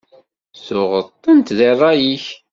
Tuɣeḍ-tent di rray-ik.